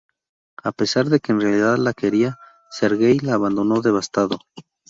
A pesar de que en realidad la quería, Sergei la abandonó devastado.